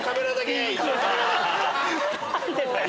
何でだよ。